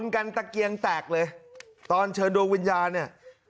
กันตะเกียงแตกเลยตอนเชิญดวงวิญญาณเนี่ย